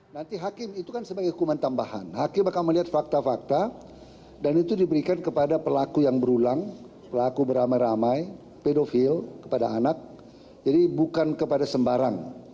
nanti hakim itu kan sebagai hukuman tambahan hakim akan melihat fakta fakta dan itu diberikan kepada pelaku yang berulang pelaku beramai ramai pedofil kepada anak jadi bukan kepada sembarang